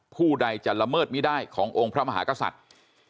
ผู้ใดจะละเมิดไม่ได้ขององค์พระมหากษัตริย์